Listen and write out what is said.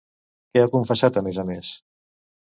Què ha confessat, a més a més?